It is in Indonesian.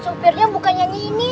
supirnya bukannya ini